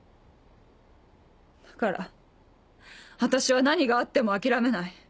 だから私は何があっても諦めない。